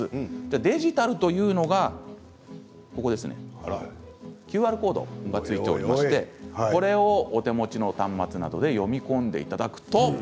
デジタルというのがＱＲコードが付いておりましてこれをお手持ちの端末などで読み込んでいただくと。